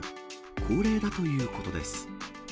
高齢だということです。